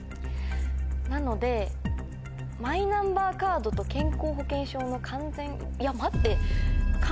なのでマイナンバーカードと健康保険証の完全。